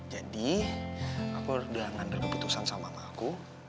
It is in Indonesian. jadi aku udah ambil keputusan sama mama aku